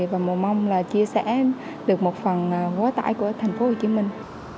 và mùa mong là chia sẻ được một phần quá tải của thành phố hồ chí minh